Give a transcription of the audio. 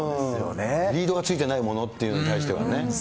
リードがついてないものっていうものに対してはね。